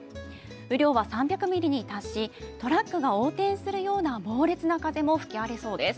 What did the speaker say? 雨量は３００ミリに達し、トラックが横転するような猛烈な風も吹き荒れそうです。